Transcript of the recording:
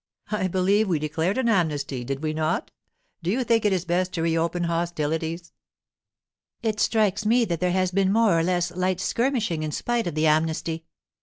'I believe we declared an amnesty, did we not? Do you think it is best to reopen hostilities?' 'It strikes me that there has been more or less light skirmishing in spite of the amnesty.